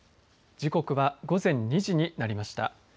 時刻は午前２時になりました。